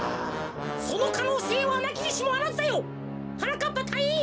そのかのうせいはなきにしもあらずだよ！はなかっぱたいいん！